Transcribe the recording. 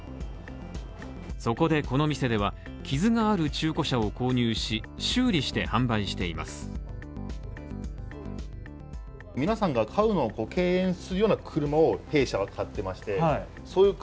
そこでこの店では、傷がある中古車を購入し、修理して販売しています。